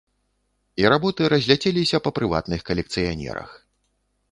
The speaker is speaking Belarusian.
І работы разляцеліся па прыватных калекцыянерах.